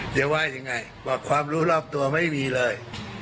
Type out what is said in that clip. จะว่ายังไงบอกความรู้รอบตัวไม่มีเลย